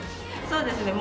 そうですね